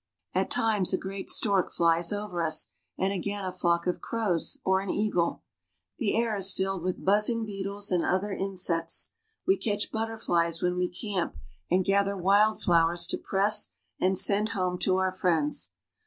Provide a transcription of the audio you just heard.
At times a great stork flies over us, and again a flock of crows or an eagle. The air is filled with buzzing beetles and other insects. We catch butterflies when we camp, and gather wild flowers to press and send home to our friends.